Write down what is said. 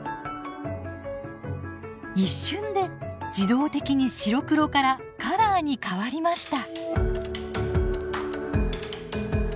一瞬で自動的に白黒からカラーに変わりました。